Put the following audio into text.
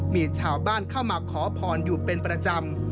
มีชาวบ้านเข้ามาขอพรอยู่เป็นประจำ